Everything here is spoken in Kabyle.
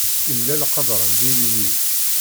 Imlal qeḍṛan d ilili.